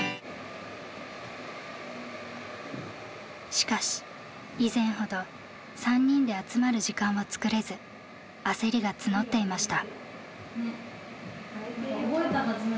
しかし以前ほど３人で集まる時間を作れず焦りが募っていました。